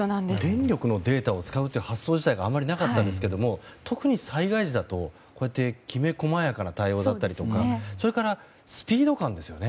電力のデータを使うという発想自体があまりなかったんですが特に災害時だとこうやってきめ細やかな対応だったりとかそれからスピード感ですよね。